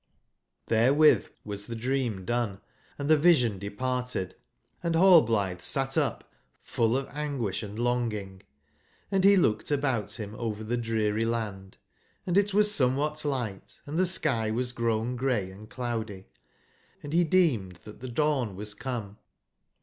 '' \T)SKS^XCT) was the dream done and the vision departed; and Rall blithesatupfuUofanguishandlong/ ing; & he looked about him over the dreary land, & it was somewhat light & theskywas grown grey and cloudy, and he deemed that the dawn was come.